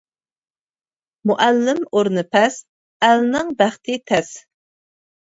مۇئەللىم ئورنى پەس ئەلنىڭ بەختى تەس.